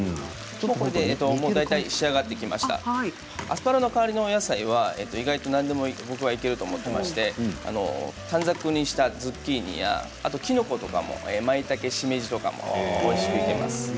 アスパラの代わりのお野菜は意外と何でも僕はいけると思ってまして短冊にしたズッキーニやあときのことかもまいたけしめじとかもおいしくいけます。